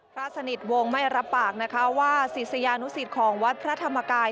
พระสนิทวงศ์ไม่รับปากนะคะว่าศิษยานุสิตของวัดพระธรรมกาย